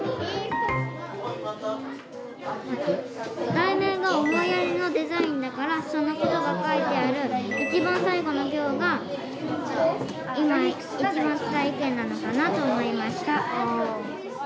題名が「思いやりのデザイン」だからそのことが書いてある一番最後の行が今一番伝えたい意見なのかなと思いました。